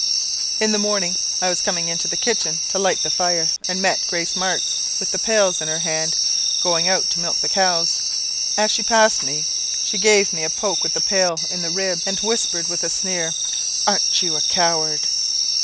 "In the morning, I was coming into the kitchen to light the fire, and met Grace Marks with the pails in her hand, going out to milk the cows. As she passed me, she gave me a poke with the pail in the ribs, and whispered with a sneer, 'Arn't you a coward!'